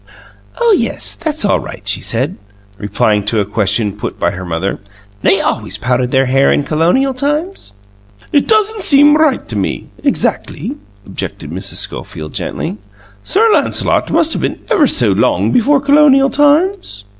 "Oh, yes, that's all right," she said, replying to a question put by her mother. "They always powdered their hair in Colonial times." "It doesn't seem right to me exactly," objected Mrs. Schofield, gently. "Sir Lancelot must have been ever so long before Colonial times."